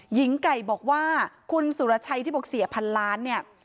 หญิงไก่บอกว่าคุณสุรชัยที่บอกเสียพันล้านเนี่ย